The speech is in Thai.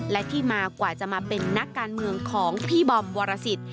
และที่มากว่าจะมาเป็นนักการเมืองของพี่บอมวรสิต